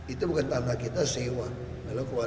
itu bukan tanah kita sewa